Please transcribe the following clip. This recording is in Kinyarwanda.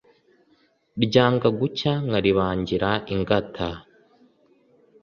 Ryanga gucya nkalibangira ingata,